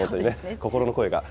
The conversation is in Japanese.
心の声が。